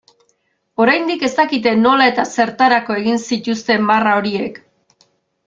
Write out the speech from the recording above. Oraindik ez dakite nola eta zertarako egin zituzten marra horiek.